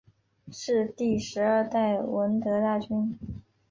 是第十二代闻得大君。